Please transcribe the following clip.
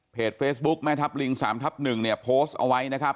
เพจเฟซบุ๊กแม่ทับลิงสามทับหนึ่งเนี่ยโพสเอาไว้นะครับ